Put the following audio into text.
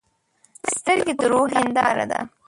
سترګې د روح هنداره ده.